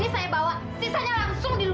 ibu ibu muda dong bu